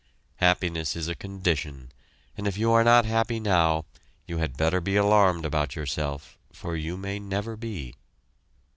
Happiness is a condition, and if you are not happy now, you had better be alarmed about yourself, for you may never be.